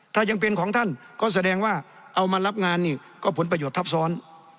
ถ้ายังเป็นของท่านก็แสดงว่าเอามารับงานนี่ก็ผลประโยชน์ทับซ้อน